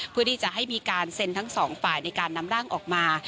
เพื่อที่จะให้มีการเซ็นทั้งสองฝ่ายในการนำร่างออกมา